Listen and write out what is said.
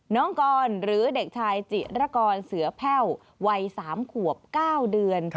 น้องกรหรือเด็กชายจิรกรเสือแพ่ววัย๓ขวบ๙เดือน